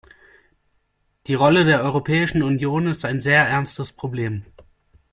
Die Rolle der Europäischen Union ist ein sehr ernstes Problem.